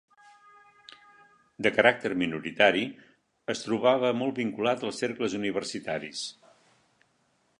De caràcter minoritari, es trobava molt vinculat als cercles universitaris.